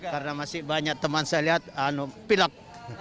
karena masih banyak teman saya lihat pilak